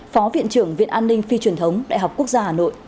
phó viện trưởng viện an ninh phi truyền thống đại học quốc gia hà nội